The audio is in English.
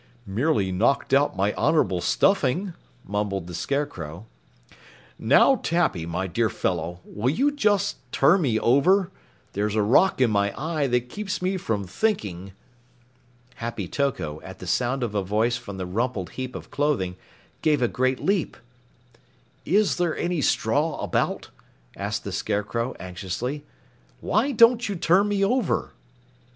"Merely knocked out my honorable stuffing," mumbled the Scarecrow. "Now Tappy, my dear fellow, will you just turn me over? There's a rock in my eye that keeps me from thinking." Happy Toko, at the sound of a voice from the rumpled heap of clothing, gave a great leap. "Is there any straw about?" asked the Scarecrow anxiously. "Why don't you turn me over?"